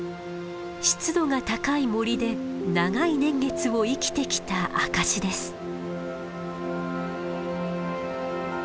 湿度が高い森で長い年月を生きてきた証しです。